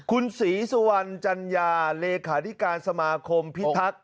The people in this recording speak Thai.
คุณศรีสุวรรณจัญญาเลขาธิการสมาคมพิทักษ์